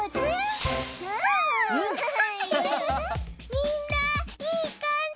みんないい感じ！